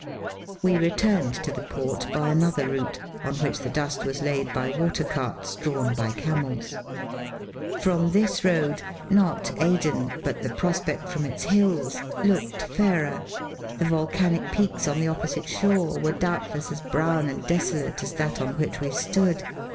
We returned to the port by another route, on which the dust was laid by water carts, drawn by camels. From this road, not Aden, but the prospect from its hills, looked fairer. The volcanic peaks on the opposite shore were doubtless as brown and desolate as that on which we stood.